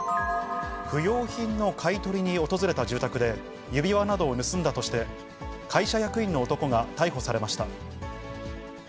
不用品の買い取りに訪れた住宅で、指輪などを盗んだとして、会社役員の男が逮捕されました。